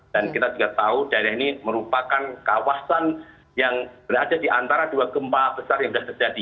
dan kita juga tahu daerah ini merupakan kawasan yang berada di antara dua gempa besar yang sudah terjadi